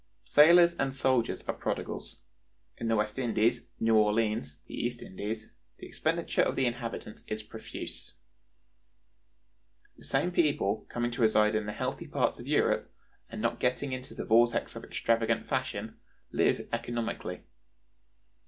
Sailors and soldiers are prodigals. In the West Indies, New Orleans, the East Indies, the expenditure of the inhabitants is profuse. The same people, coming to reside in the healthy parts of Europe, and not getting into the vortex of extravagant fashion, live economically.